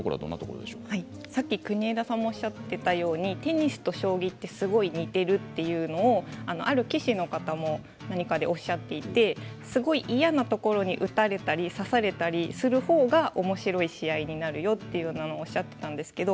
さっき国枝さんもおっしゃっていたようにテニスと将棋ってすごい似ていると言う棋士の方も何かでおっしゃっていてすごい嫌なところに打たれたり指されたりする方がおもしろい試合になるよというのもおっしゃっていたんですけど